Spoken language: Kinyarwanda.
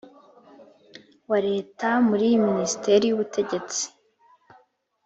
wa leta muri minisiteri y ubutegetsi